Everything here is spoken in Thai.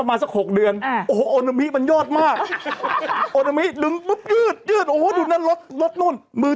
ไม่ยอมจับไม่ยอมถือ